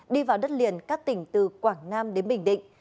đi vào đất liền các tỉnh từ quảng nam đến bình định